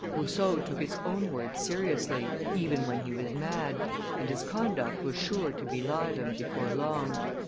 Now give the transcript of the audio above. Rousseau took his own words seriously, even when he was mad, and his conduct was sure to belie them before long.